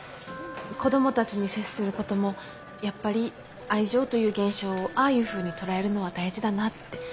子供たちに接することもやっぱり愛情という現象をああいうふうに捉えるのは大事だなって。